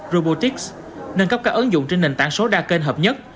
robotics nâng cấp các ứng dụng trên nền tảng số đa kênh hợp nhất